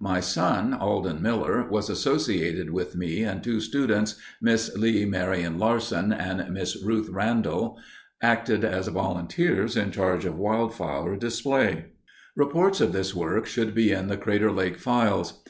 My son, Alden Miller, was associated with me and two students, Miss Leigh Marian Larson and Miss Ruth Randall, acted as volunteers in charge of wildflower display. Reports of this work should be in the Crater Lake files.